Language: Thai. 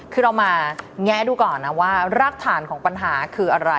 คือเรามาแงะดูก่อนนะว่ารากฐานของปัญหาคืออะไร